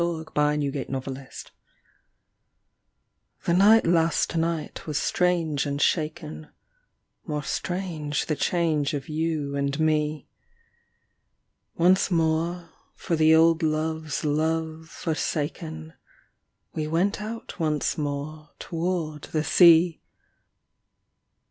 30 AT A MONTH'S END THE night last night was strange and shaken More strange the change of you and me. Once more, for the old love's love forsaken, We went out once more toward the sea.